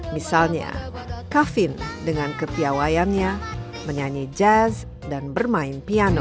misalnya kavin dengan kepiawayannya menyanyi jazz dan bermain piano